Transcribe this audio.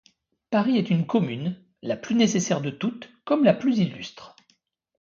Paris est une commune, la plus nécessaire de toutes comme la plus illustre.